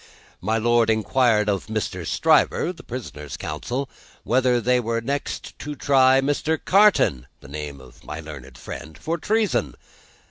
My Lord inquired of Mr. Stryver (the prisoner's counsel), whether they were next to try Mr. Carton (name of my learned friend) for treason?